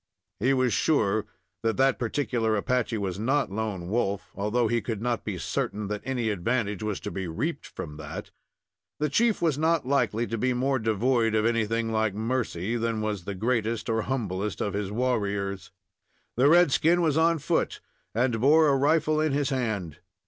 He was sure that that particular Apache was not Lone Wolf, although he could not be certain that any advantage was to be reaped from that. The chief was not likely to be more devoid of anything like mercy than was the greatest or humblest of his warriors. The red skin was on foot, and bore a rifle in his hand.